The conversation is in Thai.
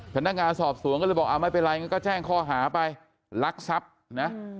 พนักงานสอบสวนก็เลยบอกไม่เป็นไรงั้นก็แจ้งข้อหาไปลักทรัพย์นะ